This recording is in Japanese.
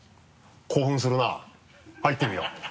興奮するな入ってみよう。